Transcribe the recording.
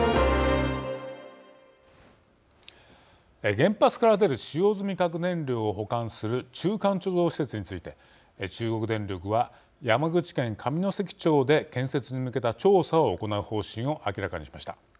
原発から出る使用済み核燃料を保管する中間貯蔵施設について中国電力は山口県上関町で建設に向けた調査を行う方針を明らかにしました。